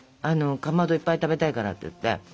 かまどいっぱい食べたいからって言って。